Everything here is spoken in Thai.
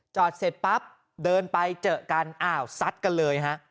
เสร็จปั๊บเดินไปเจอกันอ้าวซัดกันเลยฮะ